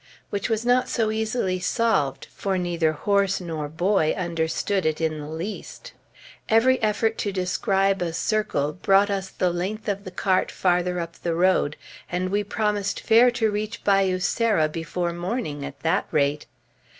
which was not so easily solved, for neither horse nor boy understood it in the least. Every effort to describe a circle brought us the length of the cart farther up the road, and we promised fair to reach Bayou Sara before morning, at that rate.